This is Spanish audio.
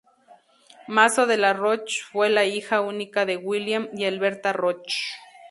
Mazo de la Roche fue la hija única de William y Alberta Roche.